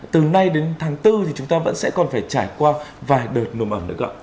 từ nay đến tháng bốn thì chúng ta vẫn sẽ còn phải trải qua vài đợt nồm ẩm nữa không ạ